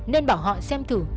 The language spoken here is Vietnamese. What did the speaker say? nên bảo họ xem thử